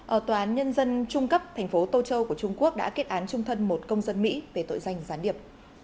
ở tòa án nhân dân trung cấp thành phố tô châu của trung quốc đã kết án trung thân một công dân mỹ về tội danh gián điệp